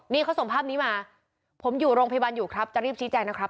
นี่เขาส่งภาพนี้มาผมอยู่โรงพยาบาลอยู่ครับจะรีบชี้แจงนะครับ